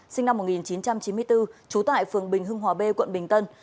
sinh năm một nghìn chín trăm chín mươi bốn trú tại phường bình hưng hòa b quận bình tân